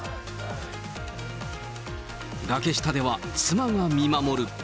崖下では妻が見守る。